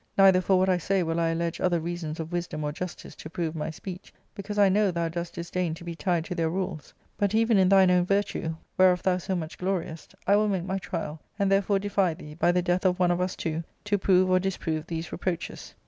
Neither for what I say will I allege other reasons of wisdom or jus tice to prove my speech, because I know thou doest disdain to be tied to their rules ; but even in thine own virtue, whereof thou so much gloriest, I will make my trial, and therefore defy thee, by the death of one of us two, to prove or disprove these reproaches.